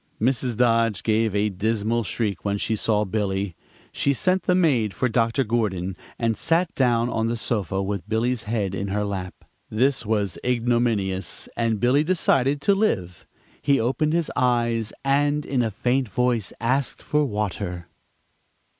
Mrs. Dodge gave a dismal shriek when she saw Billy. She sent the maid for Dr. Gordon, and sat down on the sofa with Billy's head in her lap. This was ignominious, and Billy decided to live. He opened his eyes, and in a faint voice asked for water.